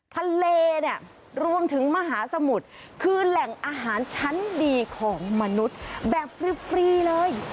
ทะเลเนี่ยรวมถึงมหาสมุทรคือแหล่งอาหารชั้นดีของมนุษย์แบบฟรีเลย